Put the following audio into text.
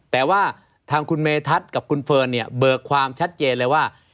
แต่ว่าทางคุณเมธัศน์กับคุณเฟิร์นเนี่ยเบิกความชัดเจนเลยว่า